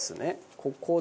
ここで。